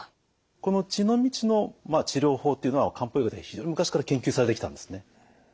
この血の道の治療法っていうのは漢方医学で非常に昔から研究されてきたんですね。